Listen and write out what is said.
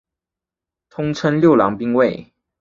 通称六郎兵卫。